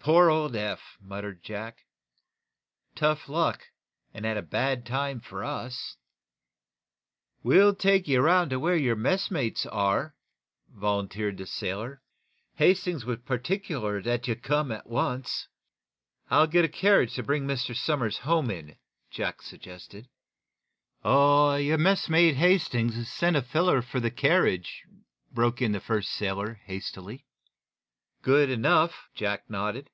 "Poor old Eph!" muttered Jack. "Tough luck, and at a bad time for us." "We'll take you 'round to where your messmates are," volunteered the sailor. "Hastings was particular that you come at once." "I'll get a carriage to bring Mr. Somers home in," Jack suggested. "Oh, your messmate, Hastings, has sent a feller for a carriage," broke in the first sailor, hastily. "Good enough," Jack nodded.